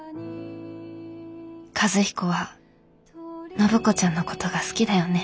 和彦は暢子ちゃんのことが好きだよね。